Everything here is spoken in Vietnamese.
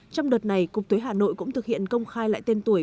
trong đợt này cục thuế hà nội cũng thực hiện công khai lại tên tuổi